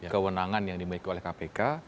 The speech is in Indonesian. kewenangan yang dimiliki oleh kpk